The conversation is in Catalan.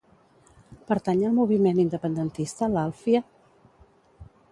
Pertany al moviment independentista l'Alfie?